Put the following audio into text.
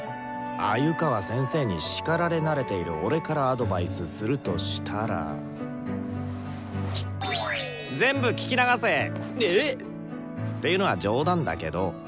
鮎川先生に叱られ慣れている俺からアドバイスするとしたら全部聞き流せ！えっ！？っていうのは冗談だけど。